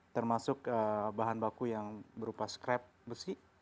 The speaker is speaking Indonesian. termasuk bahan baku yang berupa scrap besi